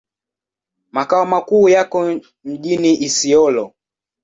Makao makuu yako mjini Isiolo.